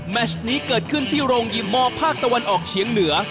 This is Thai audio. ชนี้เกิดขึ้นที่โรงยิมมภาคตะวันออกเฉียงเหนือ